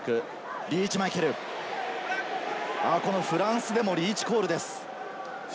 フランスでもリーチコールです。